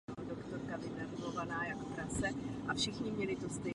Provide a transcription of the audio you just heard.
Nachází se zde také kavárny a další veřejné prostory.